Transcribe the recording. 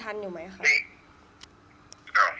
คุณพ่อได้จดหมายมาที่บ้าน